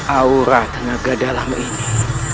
aura tenaga dalam ini